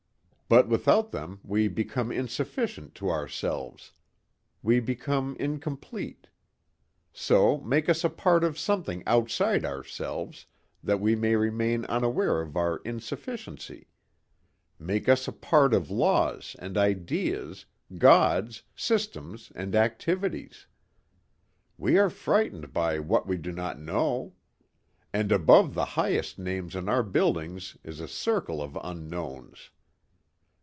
But without them we become insufficient to ourselves. We become incomplete. So make us a part of something outside ourselves that we may remain unaware of our insufficiency. Make us a part of laws and ideas, Gods, systems and activities. We are frightened by what we do not know. And above the highest names on our buildings is a circle of unknowns.